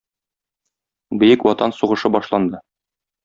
Бөек Ватан сугышы башланды.